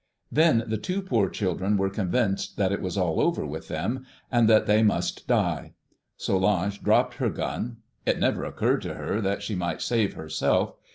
"Then the two poor children were convinced that it was all over with them, and that they must die. Solange dropped her gun. It never once occurred to her that she might save herself.